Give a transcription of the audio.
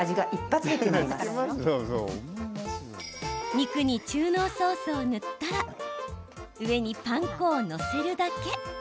肉に中濃ソースを塗ったら上にパン粉を載せるだけ。